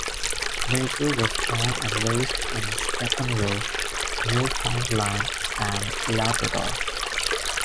Major was born and raised in Stephenville, Newfoundland and Labrador.